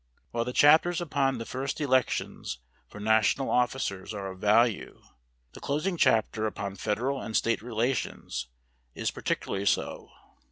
While the chapters upon the first elections for national officers are of value, the closing chapter upon federal and State relations is particularly so.